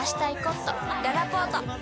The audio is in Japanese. ららぽーと